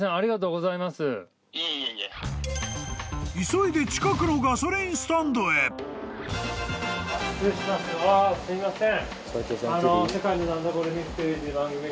［急いで近くのガソリンスタンドへ］失礼します。